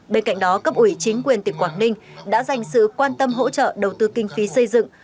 bên cạnh đó cấp ủy chính quyền tỉnh quảng ninh đã dành sự quan tâm hỗ trợ đầu tư kinh phí xây dựng